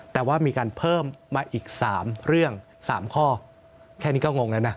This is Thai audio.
แต่ว่ามีการเพิ่มมาอีก๓เรื่อง๓ข้อแค่นี้ก็งงแล้วนะ